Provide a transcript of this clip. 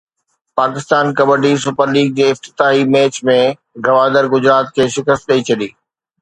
Pakistan kabaddi super league جي افتتاحي match ۾ Gwadar Gujrat کي شڪست ڏئي ڇڏي